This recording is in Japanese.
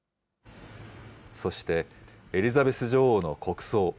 そしてエリザベス女王の国葬。